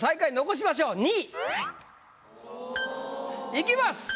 いきます。